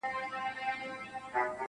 خو اصلي درد نه ختمېږي تل,